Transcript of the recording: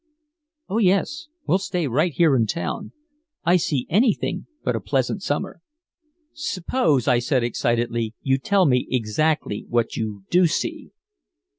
"Oh, yes, we'll stay right here in town. I see anything but a pleasant summer." "Suppose," I said excitedly, "you tell me exactly what you do see!"